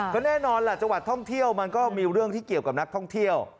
ก็แน่นอนล่ะจังหวัดท่องเที่ยวมันก็มีเรื่องที่เกี่ยวกับนักท่องเที่ยว